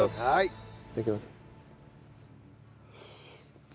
いただきます。